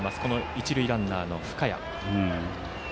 一塁ランナーの深谷。